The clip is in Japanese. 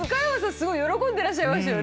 すごい喜んでらっしゃいましたよね。